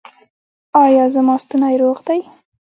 ایا زما ستونی روغ دی؟